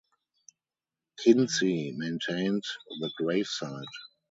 Kinzie maintained the gravesite.